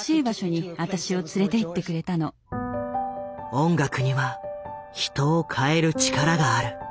音楽には人を変える力がある。